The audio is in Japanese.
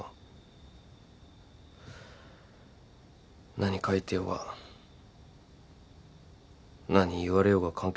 何書いてようが何言われようが関係なくない？